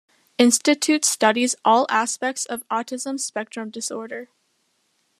Institute studies all aspects of autism spectrum disorder.